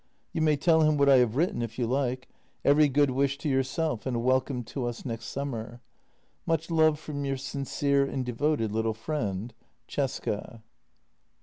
You may tell him what I have written if you like. Every good wish to yourself and welcome to us next summer. — Much love from your sincere and devoted little friend, Cesca.